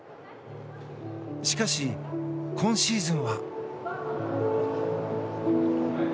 しかし、今シーズンは。